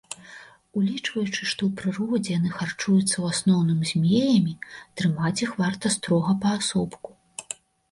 Улічваючы, што ў прыродзе яны харчуюцца ў асноўным змеямі, трымаць іх варта строга паасобку.